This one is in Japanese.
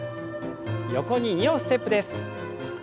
横に２歩ステップです。